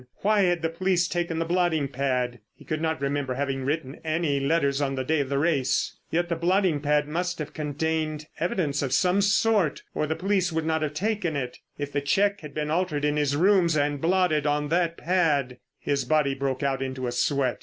Why had the police taken the blotting pad? He could not remember having written any letters on the day of the race. Yet the blotting pad must have contained evidence of some sort or the police would not have taken it. If the cheque had been altered in his rooms and blotted on that pad—— His body broke out into a sweat.